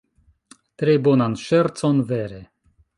Tre bonan ŝercon, vere.